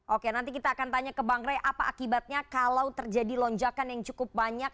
oke nanti kita akan tanya ke bang rey apa akibatnya kalau terjadi lonjakan yang cukup banyak